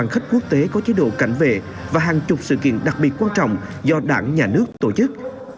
khách quốc tế có chế độ cảnh vệ và hàng chục sự kiện đặc biệt quan trọng do đảng nhà nước tổ chức